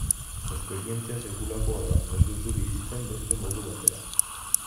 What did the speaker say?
Esperientzia sekulakoa da, ez duzu bizitzen beste modu batera.